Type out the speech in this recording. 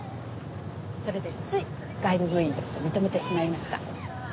それでつい外部部員として認めてしまいました。